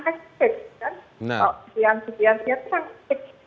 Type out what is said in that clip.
kalau kesetiaan kesetiaan itu kan fix